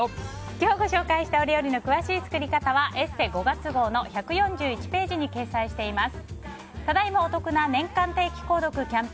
今日ご紹介したお料理の詳しい作り方は「ＥＳＳＥ」５月号の１４１ページに掲載しています。